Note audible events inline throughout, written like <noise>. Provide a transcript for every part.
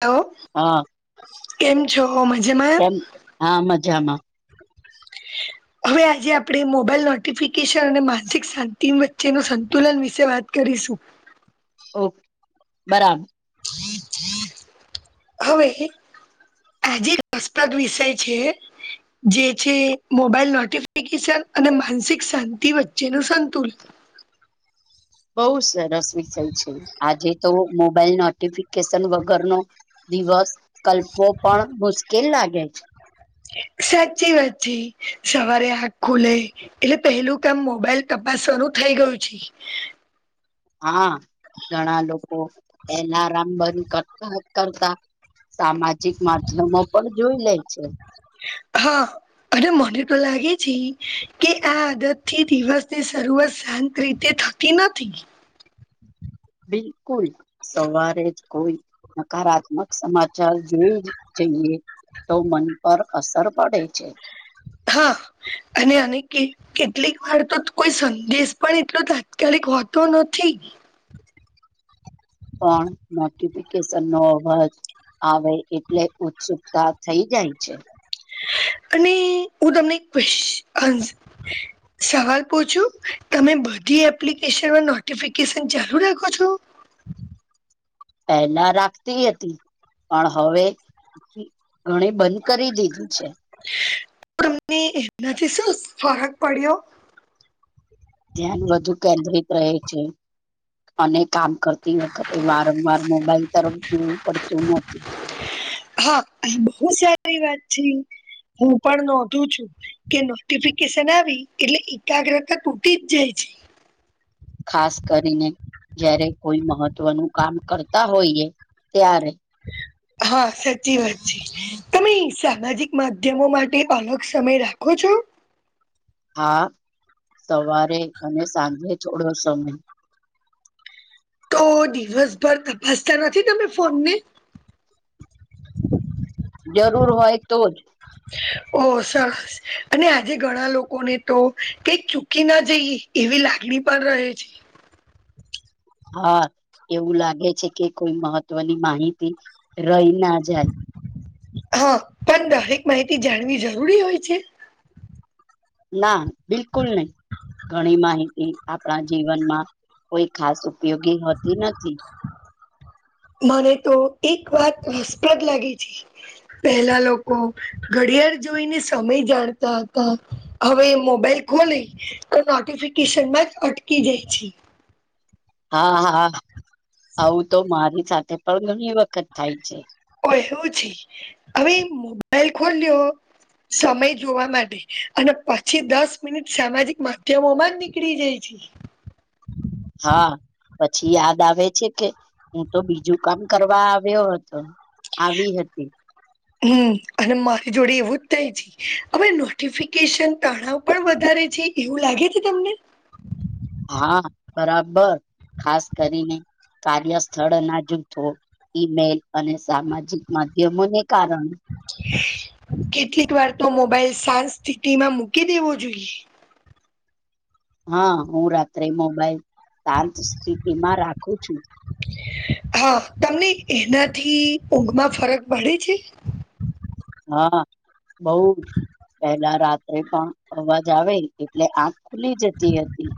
Hello હા કેમ છો મજેમાં- કેમ હા મજામાં <inaudible> હવે આજે આપણે મોબાઈલ નોટિફિકેશન અને માનસિક શાંતિ વચ્ચેનું સંતુલન વિશે વાત કરીશું. ઓકે બરાબર- હવે <unintelligible> આજે રસ્પ્રદ વિષય છે. જે છે મોબાઈલ નોટિફિકેશન અને માનસિક શાંતિ વચ્ચે નું સંતુલન- બઉ સરસ વિષય છે. આજે તો મોબાઈલ નોટિફિક- શન વગર નો દિવસ કલ્પવો પણ મુશ્કેલ લાગે છે. સાચી વાચી સવારે આગ ખુલે- એટલે પહેલું કામ મોબાઈલ તપાસવાનું થઇ ગયું છે. હા ઘણા લોકો પેલા રામ બંધ કરતા કરતા- સામાજિક માધ્યમો પણ જોઈ લે છે. હા- અને મને તો લાગે છે કે આ આદત થી દિવસ ની શરૂઆત શાંત રીતે થ- -પ નથી. બિલકુલ- સવારે જ કોઈ નકારાત્મક સમાચાર જોઈ જઈએ- તો મન પર અસર પડે છે. હા અને આ- કેટલીક વાર તો કોઈ સંદેશ પણ એટલો તાત્કાલિક હોતો નથી. પણ નોટિફિકેશન નો અવાજ- આવે એટલે ઉત્સુકતા થઈ જાય છે. અને હું તમને એક ક્ <unintelligible> સવાલ પૂછો તમે બધી એપ્લિકેશનમાં નોટિફિકેશન ચાલુ રાખો છો? પહેલા રાખતી હતી પણ હવે- ઘણી બંધ કરી દીધી છે. તમ એનાથી શું ફરક પડ્યો- ધ્યાન વધુ કેન્દ્રિત રહે છે. અને કામ કરતી વખતે વારંવાર મોબાઈલ તરફ જોવું પડતું નથી- હા બહુ સારી વાત છે. હું પણ નોંધું છું. કે નોટિફિકેશન આવી એટલે એકાગ્રતા તૂટી જ જાય છે. ખાસ કરીને જયારે કોઈ મહત્વનું કામ કરતા હોઈએ ત્યારે- હ <inaudible> હા સાચી વાત છે તમે સામાજિક માધ્યમો માટે અલગ સમય રાખો છો? હા સવારે અને સાંજે થોડો સમય- તો દિવસભર તપાસતા નથી તમે ફોનને- <inaudible> જરૂર હોય તો જ- ઓ સરસ - <inaudible> <inaudible> અને આજે ઘણા લોકોને તો કઈક ચૂકી ના જઈ એવી લાગણી પણ રહે છે. હા એવું લાગે છે કે કોઈ મહત્વની માહિતી રહી ના જાય- હા, પણ દરેક માહિતી જાણવી જરૂરી હોય છે. ના, બિલકુલ નહીં. ઘણી માહિતી આપણા જીવનમાં કોઈ ખાસ ઉપયોગી હોતી નથી. મને તો એક વાત રસપ્રદ લાગે છે. પેલા લોકો ઘડિયાળ જોઈને સમય જાણતા હતા. હવે મોબાઈલ ખોલી તો નોટિફિકેશનમાં જ અટકી જાય છે. હા, હા, આવું તો મારી સાથે પણ ઘણી વખત થાય છે. એવું છે, હવે મોબાઈલ ખોલ્યો. સમય જોવા માટે અને પછી દસ મિનિટ સામાજિક માધ્યમોમાં જ નીકળી જાય છે. હા, પછી યાદ આવે છે કે હું તો બીજું કામ કરવા આવ્યો હતો, આવી હતી. હમ અને મારી જોડે એવું જ થઈ જ. હવે નોટિફિકેશન તણાવ પણ વધારે છે એવું લાગે છે તમને. હા, બરાબર. ખાસ કરીને કાર્ય સ્થળના જૂથ. ઈમેલ અને સામાજિક માધ્યમોને કારણે કેટલીક વાર તો મોબાાઈલ શાંત સ્થિતિમાં મૂકી દેવો જોઈએ. હા, હું રાત્રે મોબાઈલ શાંત સ્થિતિમાં રાખું છું. હા, તમને એનાથી ઊંઘમાં ફરક પડે છે. હા, બઉ જ. પેલા રાત્રે પણ અવાજ આવે એટલે આંખ ખુલી જતી હતી.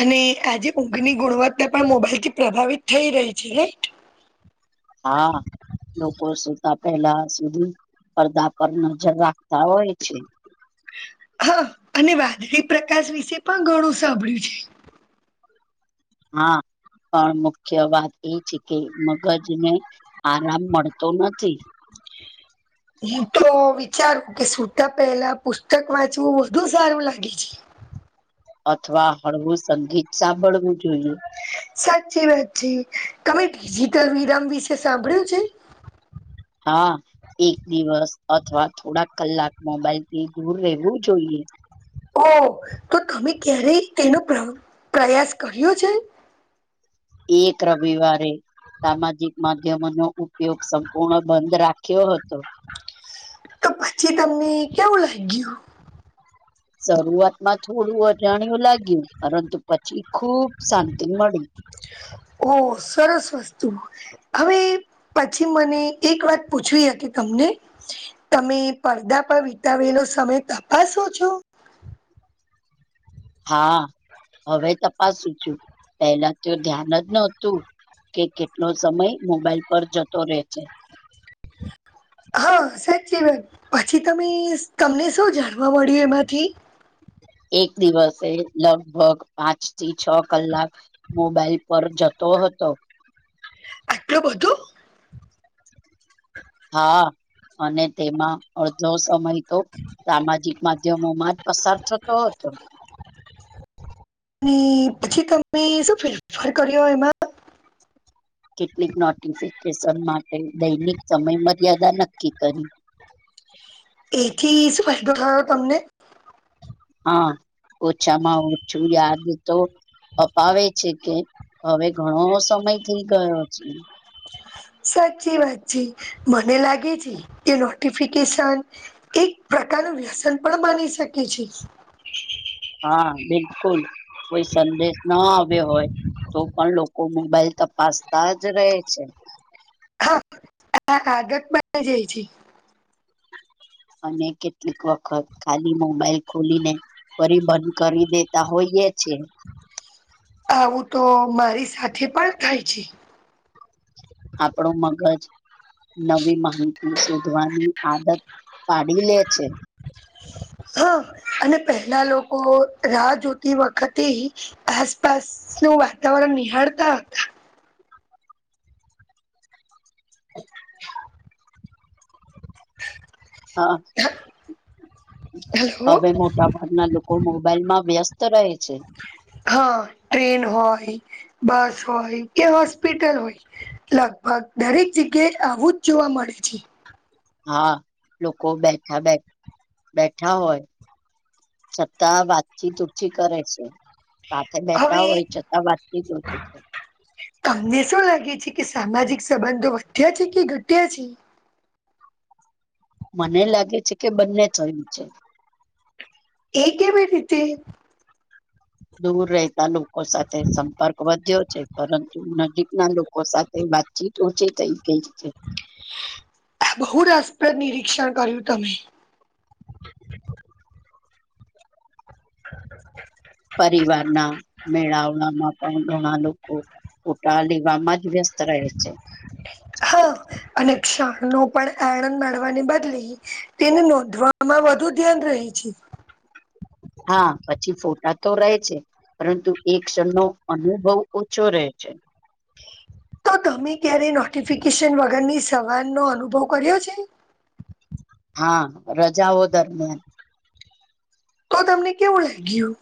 અને આજે ઊંઘની ગુણવત્તા પણ મોબાઈલ થી પ્રભાવિત થઈ રહી છે, રાઈટ? હા. લોકો સુતા પહેલા સુધી પડદા પર નજર રાખતા હોય છે. હા, અને વાદળી પ્રકાશ વિશે પણ ઘણું સાંભળ્યું છે. હા, પણ મુખ્ય વાત એ છે કે મગજને આરામ મળતો નથી. <unintelligible> હું તો વિચારું કે, સુતા પહેલા પુસ્તક વાંચવું વધુ સારું લાગે છે. અથવા હળવું સંગીત સાંભળવું જોઈએ. સાચી વાત છે. તમે ડિજિટલ વિરામ વિશે સાંભળ્યું છે? હા, એક દિવસ અથવા થોડાક કલાક મોબાઈલ થી દૂર રહેવું જોઈએ. ઓ તો તમે ક્યારેય તેનો પ્રયાસ કર્યો છે. એક રવિવારે સામાજિક માધ્યમ નો ઉપયોગ સંપૂર્ણ બંધ રાખ્યો હતો. તો પછી તમને કેવું લાગ્યું? શરૂઆતમાં થોડું અજાણ્યું લાગ્યું પરંતુ પછી ખુબ શાંતિ મળી. ઓ સરસ વસ્તુ. હવે પછી મને એક વાત પૂછવી કે તમને? તમે પડદા પર વિતાવેલો સમય તપાસો છો? હા, હવે તપાસું છું. પેલા તો ધ્યાન જ નહતું. કે કેટલો સમય મોબાઈલ પર જતો રે છે? <unintelligible> હા, સાચી વાત. પછી તમે તમને શૌ જાણવા મળ્યું એમાંથી? એક દિવસે લગભગ પાંચ થી છ કલાક. મોબાઈલ પર જતો હતો. આટલું બધું. હા, અને તેમાં અડધો સમય. તો સામાજિક માધ્યમો માં જ પસાર થતો હતો. અને પછી તમે શું ફેરફાર કર્યો એમાં? કેટલીક નોટિફિકેશન માટે દૈનિક સમય મર્યાદા નક્કી કરી. એથી શું ફાયદો થયો તમને? હા ઓછામાં ઓછું યાદ તો. અપાવે છે કે હવે ઘણો સમય થઈ ગયો છે. સાચી વાત છે મને લાગે છે કે નોટિફિકેશન એક પ્રકારનું વ્યસન પણ બની શકે છે. હા બિલકુલ કોઈ સંદેશ ના આવ્યો હોય, તો પણ લોકો મોબાઈલ તપાસતા જ રહે છે. હા આ આદત બની જાય છે. અને કેટલીક વખત ખાલી મોબાઈલ ખોલીને ફરીબંધ કરી દેતા હોઈએ છે. આવું તો મારી સાથે પણ થાય છે. આપણું મગજ નવી માહિતી શોધવાની આદત પાડી લે છે. હા અને પહેલા લોકો રાહ જોતી વખતે આસપાસ નું વાતાવરણ નિહાળતા હતા. <inaudible> હા. હતા હલો હવે મોટા ભાગના લોકો મોબાઈલમાં વ્યસ્ત રહે છે. હા ટ્રેન હોય, બસ હોય કે હોસ્પિટલ હોય, લગભગ દરેક જગ્યાએ આવું જ જોવા મળે છે. હા લોકો બેઠા બેઠ બેઠા હોય, છતા વાતચી ઉછી કરે છે. સાથે બેઠા હવે હોય છતાં વાતચત નથી થતી. તમને શું લાગે છે કે સામાજિક સંબંધો વધ્યા છે કે ઘટ્યા છે? મને લાગે છે કે બંને થયું છે. એ કેવી રીતે? દૂર રેય ના લોકો સાથે સંપર્ક વધ્યો છે પરંતુ નજીક ના લોકો સાથે વાતચીત તોચે કઈ ગઈ છે. બહુ રસપ્રદ નિરીક્ષણ કર્યું તમે. <inaudible> પરિવારના મેળાવળમાં પણ ઘણા લોકો ફૂટા લેવામાં જ વ્યસ્ત રહે છે. હા અને ક્ષણ નો પણ આનંદ માણવાને બદલે એને નોંધવાવામાં વધુ ધ્યાન રહી છે. હા પછી ફોટા તો રહે છે. પરંતુ એ ક્ષણ નો અનુભવ ઓછો રહે છે. તો તમે ક્યારે નોટિફિકેશન વગરની સવારનો અનુભવ કર્યો છે. હા રજાઓ દરમિયાન. તો તમને કેવું લાગ્યું.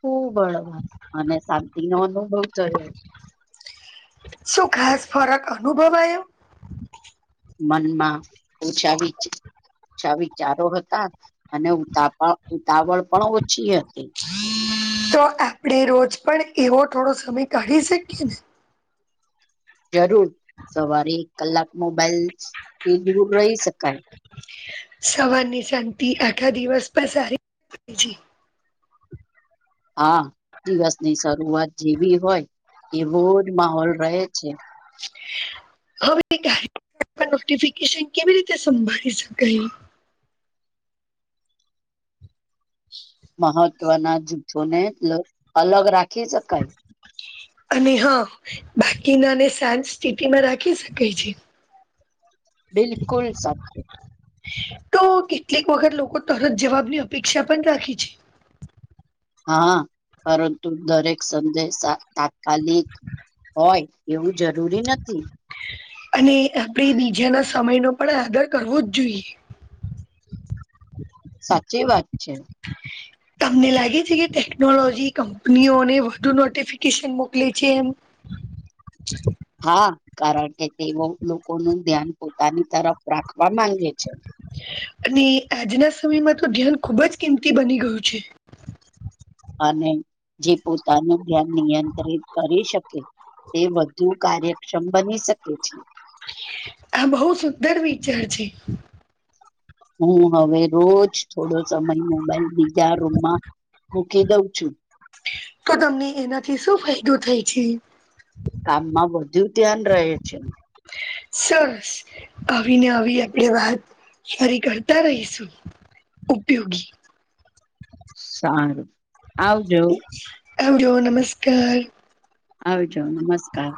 ખુબ હળવાશ અને શાંતિ નો અનુભવ કર્યો. શું ખાસ ફરક અનુભવાયો? મનમાં ઓછા વિચ ઓછા વિચારો હતા અને ઉતાળ ઉતાવળ પણ ઓછી હતી. તો આપડે રોજ પણ એવો થોડો સમય કાઢી શકીએ ને. જરૂર સવારે એક કલાક મોબાઈલ થી દૂર રહી શકાય. સવારની શાંતિ આખા દિવસ પણ સારી અસર પાડે છે. હા દિવસની શરૂઆત જેવી હોય એવોજ માહોલ રહે છે. હવે નોટફિકેશન કેવી રીતે સંભાળી શકાય. મહત્વના જૂથોને અલગ અલગ રાખી શકાય. અને હહ બાકીના ને શાંત સ્થિતિમાં રાખી શકાય છે. બિલકુલ સાચું. તો કેટલીક વખત લોકો તરત જવાબની અપેક્ષા પણ રાખે છે. હા પરંતુ દરેક સંદેશા તાત્કાલિક હોય. એવું જરૂરી નથી. અને આપણેે બીજાના સમયનો પણ આદર કરવો જ જોઈએ. સાચી વાત છે. તમને લાગે છે કે ટેકનોલોજી કંપનીઓને વધુ નોટિફિકેશન મોકલે છે એમ? હા કારણ કે તેઓ લોકોનું ધ્યાન પોતાની તરફ રાખવા માંગે છે. અને આજના સમયમાં તો ધ્યાન ખુબ જ કિંમતી બની ગયું છે. અને જે પોતાનું ધ્યાન નિયંત્રિત કરી શકે, એ વધુ કાર્ય ક્ષમ બની શકે છે. આ બહુ સુંદર વિચાર છે. હું હવે રોજ થોડો સમય મોબાઈલ બીજા રૂમમાં મૂકી દઉં છું. તો તમને એનાથી શું ફાયદો થય છે? કામમાં વધુ ધ્યાન રહે છે. સરસ. આવીને આવી આપણેે વાત ફરી કરતા રહીશું. ઉપયોગી સારું. આવજો. આવજો. નમસ્કાર આવજો. નમસ્કાર